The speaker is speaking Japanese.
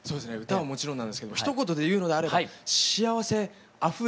歌はもちろんなんですけどもひと言で言うのであれば幸せあふ